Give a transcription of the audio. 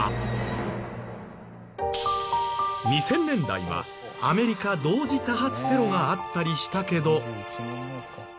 ２０００年代はアメリカ同時多発テロがあったりしたけど。